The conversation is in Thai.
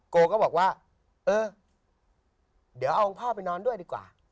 โกก็บอกว่าเออเดี๋ยวเอาพ่อไปนอนด้วยดีกว่า